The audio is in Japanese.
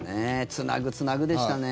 つなぐつなぐでしたね。